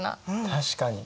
確かに。